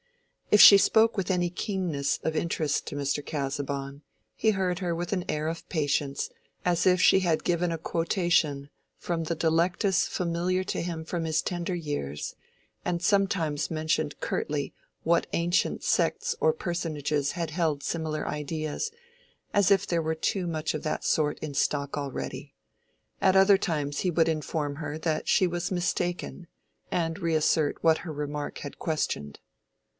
If she spoke with any keenness of interest to Mr. Casaubon, he heard her with an air of patience as if she had given a quotation from the Delectus familiar to him from his tender years, and sometimes mentioned curtly what ancient sects or personages had held similar ideas, as if there were too much of that sort in stock already; at other times he would inform her that she was mistaken, and reassert what her remark had questioned.